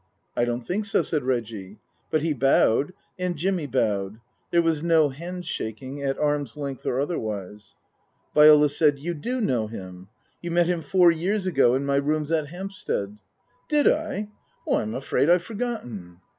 " I don't think so," said Reggie. But he bowed. And Jimmy bowed. There was no handshaking, at arm's length or otherwise. Viola said, " You do know him. You met him four years ago in my rooms at Hampstead." " Did I ? I'm afraid I've forgotten."